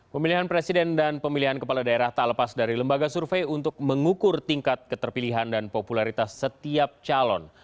pemilihan presiden dan pemilihan kepala daerah tak lepas dari lembaga survei untuk mengukur tingkat keterpilihan dan popularitas setiap calon